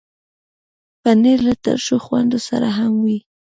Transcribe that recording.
پنېر له ترشو خوند سره هم وي.